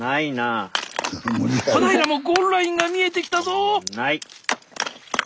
小平もゴールラインが見えてきたぞ！